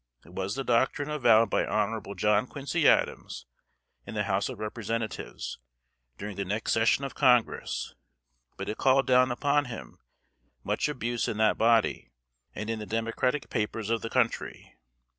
It was the doctrine avowed by Hon. John Quincy Adams in the House of Representatives, during the next session of Congress; but it called down upon him much abuse in that body, and in the Democratic papers of the country.